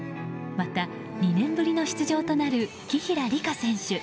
また、２年ぶりの出場となる紀平梨花選手。